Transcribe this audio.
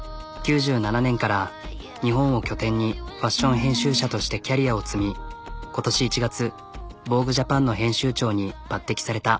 ９７年から日本を拠点にファッション編集者としてキャリアを積み今年１月「ＶＯＧＵＥＪＡＰＡＮ」の編集長に抜てきされた。